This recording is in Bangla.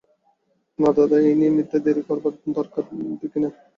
না দাদা, ঐ নিয়ে মিথ্যে দেরি করবার দরকার দেখি নে।